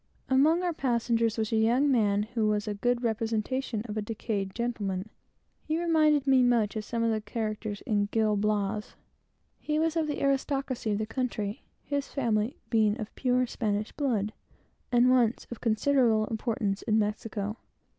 Among our passengers was a young man who was the best representation of a decayed gentleman I had ever seen. He reminded me much of some of the characters in Gil Blas. He was of the aristocracy of the country, his family being of pure Spanish blood, and once of great importance in Mexico.